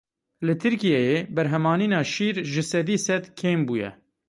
Li Tirkiyeyê berhemanîna şîr ji sedî sê kêm bûye.